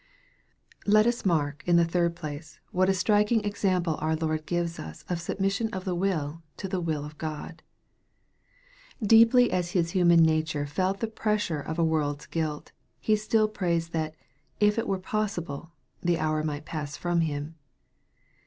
Let us mark, in the third place, what a striking exam," pie our Lord gives us of submission of will to the will of God. Deeply as His human nature felt the pressure of a world's guilt, He still prays that, " if it were possible," the hour might pass from Him.